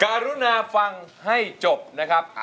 การุณาฟังให้จบนะครับ